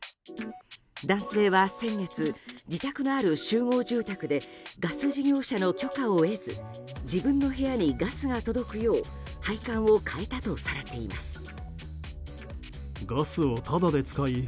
男性は先月自宅のある集合住宅でガス事業者の許可を得ず自分の部屋にガスが届くよう配管を変えたとされています。